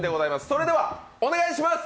それではお願いします。